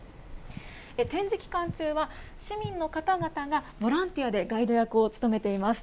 展示期間中は、市民の方々がボランティアでガイド役を務めています。